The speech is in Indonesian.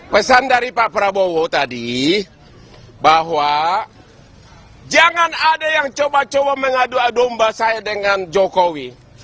pesan dari pak prabowo tadi bahwa jangan ada yang coba coba mengadu adomba saya dengan jokowi